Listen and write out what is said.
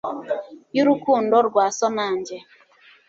y'urukundo rwa so na njye